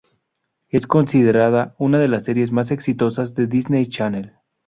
Es considerada una de las series más exitosas de Disney Channel.